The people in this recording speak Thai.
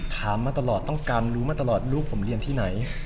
มาตลอดต้องการรู้มาตลอดลูกผมเรียนที่ไหน